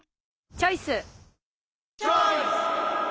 チョイス！